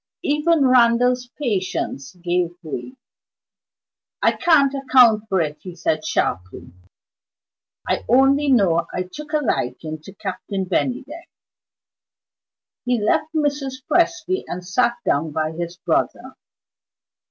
Even Randal's patience gave way. "I can't account for it," he said sharply. "I only know I took a liking to Captain Bennydeck." He left Mrs. Presty and sat down by his brother.